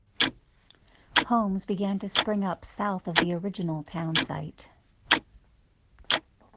Homes began to spring up south of the original townsite.